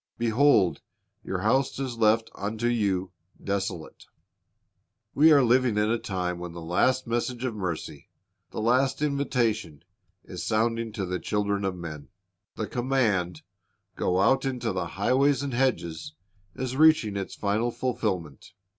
Behold, your house is left unto you desolate."^ We are living in a time when the last message of mercy, the last invitation, is sounding to the children of men. The command, "Go out into the highways and hedges," is reaching its final fulfilment.